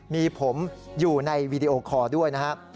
มีผมอยู่ในวีดีโอคอร์ด้วยนะครับ